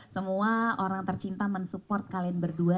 semua orang tercinta men support kalian berdua